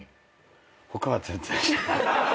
他は全然知らない。